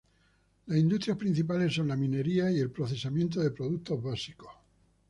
Las industrias principales son la minería y el procesamiento de productos básicos.